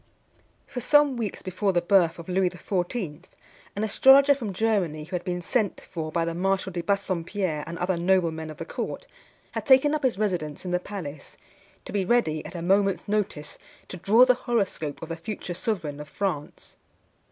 For some weeks before the birth of Louis XIV., an astrologer from Germany, who had been sent for by the Marshal de Bassompierre and other noblemen of the court, had taken up his residence in the palace, to be ready, at a moment's notice, to draw the horoscope of the future sovereign of France.